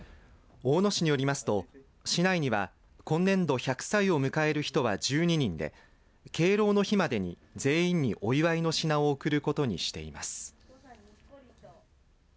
大野市によりますと市内には今年度１００歳を迎える人は１２人で敬老の日までに全員にお祝いの品を贈ることにしています。